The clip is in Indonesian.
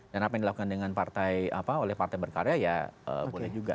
apa yang dilakukan oleh partai berkarya ya boleh juga